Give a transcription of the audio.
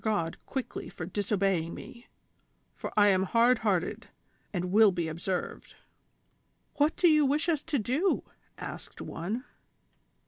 229 God quickly for disobeying me, for I am hard hearted and will be observed." " What do you wish us to do V " asked one.